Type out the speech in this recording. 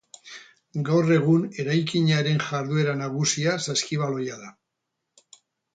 Gaur egun eraikinaren jarduera nagusia saskibaloia da.